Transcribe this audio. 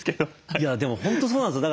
いやでも本当そうなんですよ。